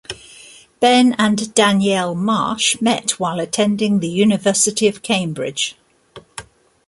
Ben and Danielle Marsh met while attending the University of Cambridge.